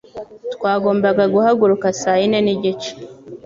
Twagombaga guhaguruka saa yine n'igice.